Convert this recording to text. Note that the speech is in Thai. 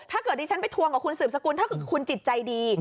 ถ้าเกิดดิฉันไปทวงกับคุณสืบสกุลถ้าเกิดคุณจิตใจดี